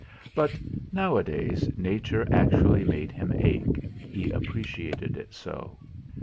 But nowadays Nature actually made him ache, he appreciated it so.